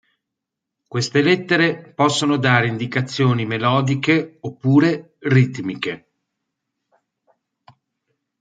Queste lettere possono dare indicazioni melodiche oppure ritmiche.